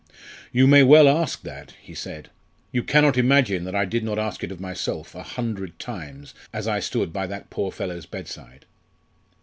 "You may well ask that!" he said. "You cannot imagine that I did not ask it of myself a hundred times as I stood by that poor fellow's bedside."